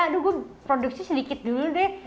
aduh gue produksi sedikit dulu deh